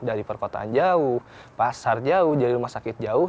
dari perkotaan jauh pasar jauh jadi rumah sakit jauh